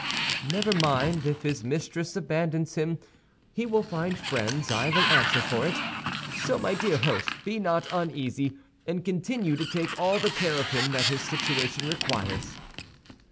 "Never mind; if his mistress abandons him, he will find friends, I will answer for it. So, my dear host, be not uneasy, and continue to take all the care of him that his situation requires."